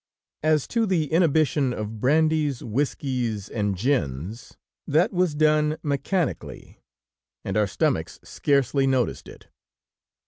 As to the inhibition of brandies, whiskies and gins, that was done mechanically, and our stomachs scarcely noticed it.